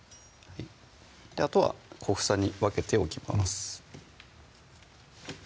あとは小房に分けておきます